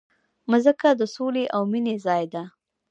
مځکه د سولې او مینې ځای ده.